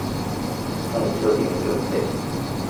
在這邊準備